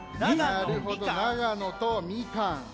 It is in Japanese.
なるほどながのとみかん。